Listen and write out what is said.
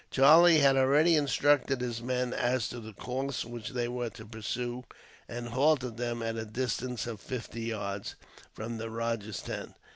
Charlie had already instructed his men as to the course which they were to pursue, and halted them at a distance of fifty yards from the rajah's tent.